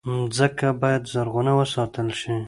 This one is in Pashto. مځکه باید زرغونه وساتل شي.